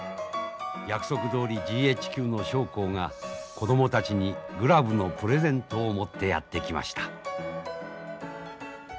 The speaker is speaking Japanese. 約束どおりＧＨＱの将校が子供たちにグラブのプレゼントを持ってやって来ました。